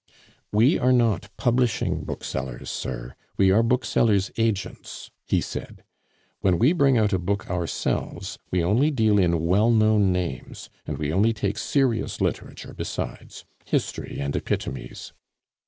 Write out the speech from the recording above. "We are not publishing booksellers, sir; we are booksellers' agents," he said. "When we bring out a book ourselves, we only deal in well known names; and we only take serious literature besides history and epitomes."